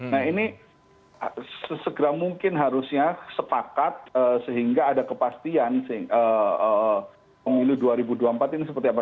nah ini sesegera mungkin harusnya sepakat sehingga ada kepastian pemilu dua ribu dua puluh empat ini seperti apa